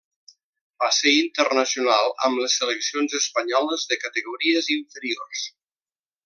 Va ser internacional amb les seleccions espanyoles de categories inferiors.